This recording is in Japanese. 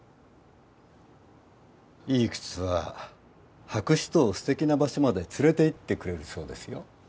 いい靴は履く人を素敵な場所まで連れていってくれるそうですよ。